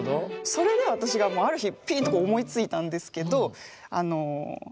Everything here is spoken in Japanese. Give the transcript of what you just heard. それで私がある日ピンと思いついたんですけど。